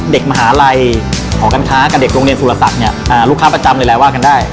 เด็กมหาลัยของการค้ากับเด็กโรงเรียนสุรษัตริย์เนี่ยอ่าลูกค้าประจำหลายว่ากันได้